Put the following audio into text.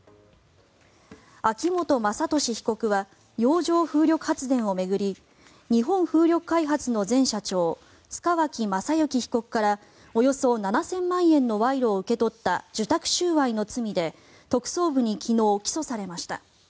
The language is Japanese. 秋本真利被告は洋上風力発電を巡り日本風力開発の前社長塚脇正幸被告からおよそ７０００万円の賄賂を受け取った受託収賄の罪で特捜部に昨日、起訴されました。